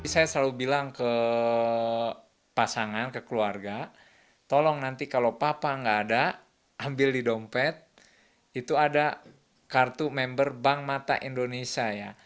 saya selalu bilang ke pasangan ke keluarga tolong nanti kalau papa nggak ada ambil di dompet itu ada kartu member bank mata indonesia ya